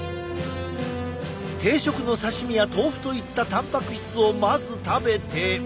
定食の刺身や豆腐といったたんぱく質をまず食べて。